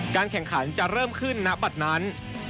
แข่งขันจะเริ่มขึ้นณบัตรนั้น